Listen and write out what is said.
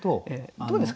どうですか？